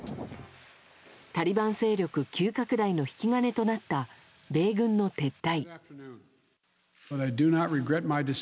タリバン勢力急拡大の引き金となった米軍の撤退。